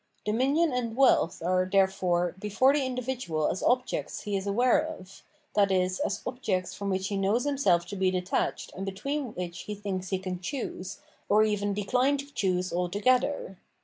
Dominion and wealth are, therefore, before the individual as objects he is aware of, i.e. as objects from which he knows himself to be detached and between which he thinks he can choose, or even decline to choose altogether.